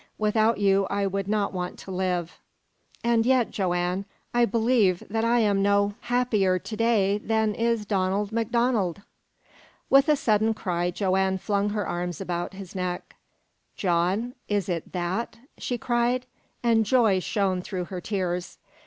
Without you I would not want to live. And yet, Joanne, I believe that I am no happier to day than is Donald MacDonald!" With a sudden cry Joanne flung her arms about his neck. "John, is it that?" she cried, and joy shone through her tears.